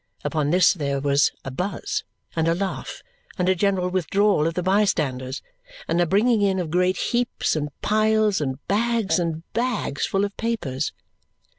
Upon this there was a buzz, and a laugh, and a general withdrawal of the bystanders, and a bringing in of great heaps, and piles, and bags and bags full of papers.